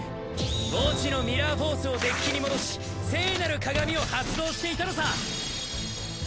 墓地のミラーフォースをデッキに戻し聖なる鏡を発動していたのさ！